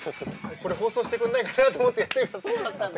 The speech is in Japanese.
これ放送してくんないかなと思ってやってるのそうだったんだ。